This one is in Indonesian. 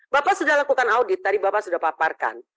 bapak sudah lakukan audit tadi bapak sudah paparkan